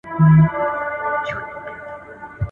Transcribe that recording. • باران وسو، چاکونه پټ سول.